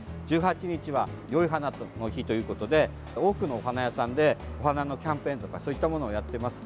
１８日はよい花の日ということで多くのお花屋さんでお花のキャンペーンとかそういったものをやっています。